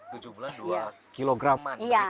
tujuh bulan dua kg an begitu ya